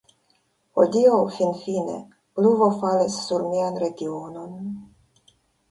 Hodiaŭ, finfine, pluvo falis sur mian regionon.